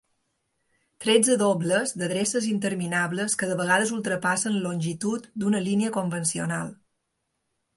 Tretze dobles, d'adreces interminables que de vegades ultrapassen la longitud d'una línia convencional.